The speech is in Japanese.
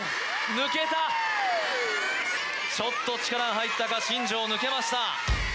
抜けたちょっと力が入ったか新庄抜けました